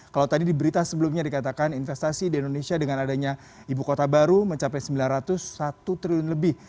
kalau tadi diberita sebelumnya dikatakan investasi di indonesia dengan adanya ibu kota baru mencapai sembilan ratus satu triliun lebih